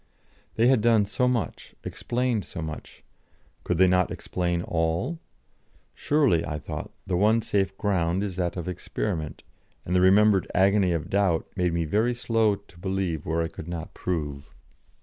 They had done so much, explained so much, could they not explain all? Surely, I thought, the one safe ground is that of experiment, and the remembered agony of doubt made me very slow to believe where I could not prove.